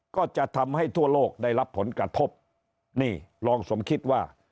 ก็จะทำให้ทั่วโลกได้รับผลกระทบนี่รองสมคิดว่า